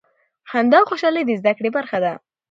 خندا او خوشحالي د زده کړې برخه ده.